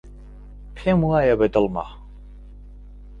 پێم وایە بەدڵمە.